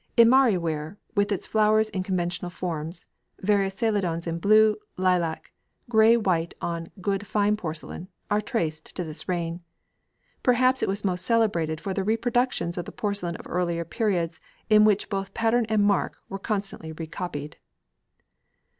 Imari ware, with its flowers in conventional forms, various Celadons in blue, lilac, grey white on good fine porcelain, are traced to this reign. Perhaps it was most celebrated for the reproductions of the porcelain of earlier periods in which both pattern and mark were constantly recopied.